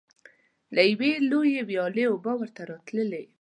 له یوې ویالې اوبه ورته راتللې.